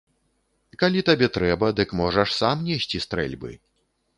Калі табе трэба, дык можаш сам несці стрэльбы.